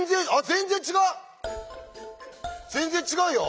全然違うよ。